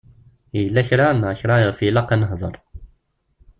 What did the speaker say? Yella kra neɣ kra iɣef ilaq ad nehder.